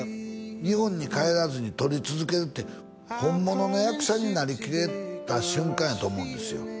日本に帰らずに撮り続けるって本物の役者になりきれた瞬間やと思うんですよ